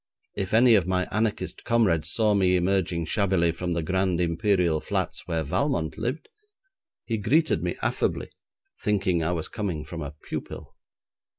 If any of my anarchist comrades saw me emerging shabbily from the grand Imperial Flats where Valmont lived, he greeted me affably, thinking I was coming from a pupil.